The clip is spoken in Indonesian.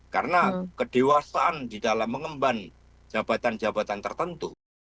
karena kedewasaan di dalam mengemban jabatan jabatan tertentu